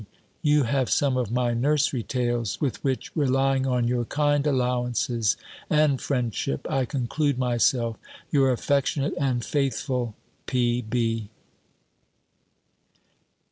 you have some of my nursery tales; with which, relying on your kind allowances and friendship, I conclude myself your affectionate and faithful P.B.